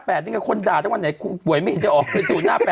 ๐๕๘อะไรคนด่าทั้งวันไหนโหวเรียนไม่เห็นจะออก